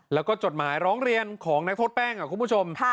แล้วก็จดหมายร้องเรียนของนักโทษแป้งคุณผู้ชม